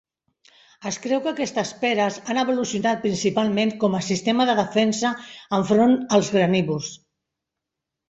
Es creu que aquestes "peres" han evolucionat principalment com a sistema de defensa enfront els granívors.